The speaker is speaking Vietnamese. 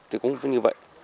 thì cũng như vậy